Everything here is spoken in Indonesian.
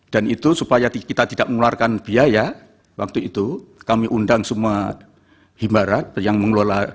dan itu supaya kita tidak mengeluarkan biaya waktu itu kami undang semua himbarat yang mengelola